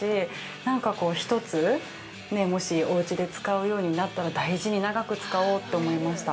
なんか、１つおうちで使うようになったら、大事に長く使おうと思いました。